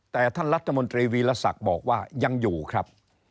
แต่ท่านรัฐมนตรีวีรศักดิ์บอกว่ายังอยู่ครับ